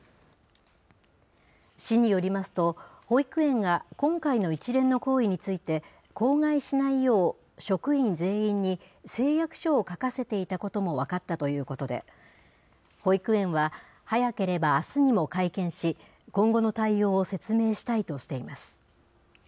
市によりますと、保育園が今回の一連の行為について、口外しないよう、職員全員に誓約書を書かせていたことも分かったということで、保育園は早ければあすにも会見し、今後の対応を説明したいとしています。